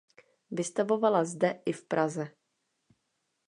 Vystavovala zde i v Praze.